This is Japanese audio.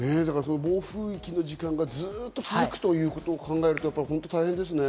暴風域の時間がずっと続くということを考えると本当大変ですね。